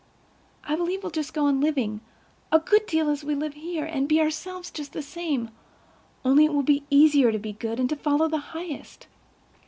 I believe we'll just go on living, a good deal as we live here—and be ourselves just the same—only it will be easier to be good and to—follow the highest.